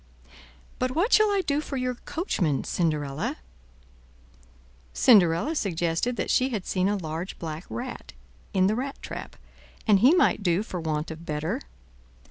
"But what shall I do for your coachman, Cinderella?" Cinderella suggested that she had seen a large black rat in the rat trap, and he might do for want of better.